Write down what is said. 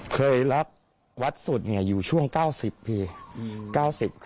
เคยรักวัดสุดอยู่ช่วง๙๐พี่